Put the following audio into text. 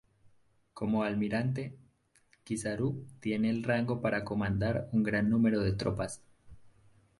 Como Almirante, Kizaru tiene el rango para comandar un gran número de tropas.